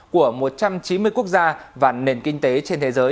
của một trăm chín mươi quốc gia và nền kinh tế trên thế giới